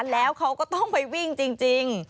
แล้วเขาก็ต้องไปวิ่งจริง